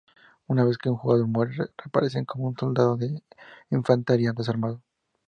Una vez que un jugador muere reaparecen como un soldado de infantería desarmado.